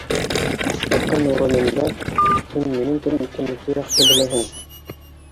— Баҫҡан урынында, һин минең кем икәнлекте яҡшы беләһең